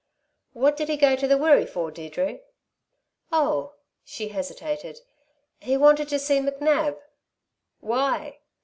"What did he go to the Wirree for, Deirdre?" "Oh!" She hesitated. "He wanted to see McNab." "Why?"